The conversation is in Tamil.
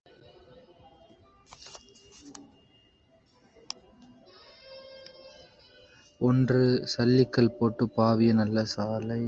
ஒன்று, சல்லிக்கல் போட்டுப் பாவிய நல்ல சாலை.